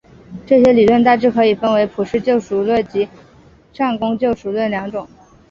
这些理论大致可以分为普世救赎论及善功救赎论两种。